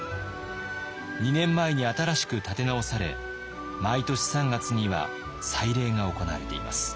２年前に新しく建て直され毎年３月には祭礼が行われています。